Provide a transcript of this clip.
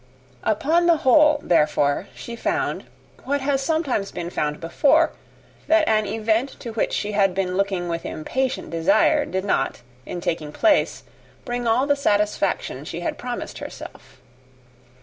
Upon the whole, therefore, she found, what has been sometimes found before, that an event to which she had looked forward with impatient desire, did not, in taking place, bring all the satisfaction she had promised herself.